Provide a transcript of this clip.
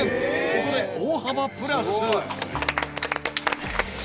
ここで大幅プラス。